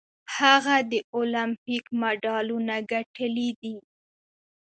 هغه د المپیک مډالونه ګټلي دي.